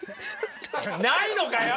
ないのかよ！